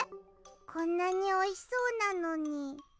こんなにおいしそうなのに。